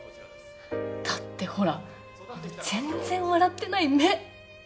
だってほらあの全然笑ってない目！